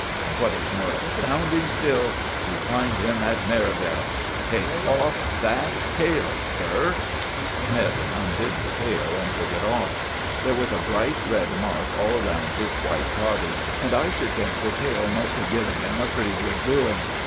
And, what is more astounding still, we find him at Merivale! Take off that tail, sir!" Smythe undid the tail, and took it off. There was a bright red mark all round his white body, and I should think the tail must have given him a pretty good doing.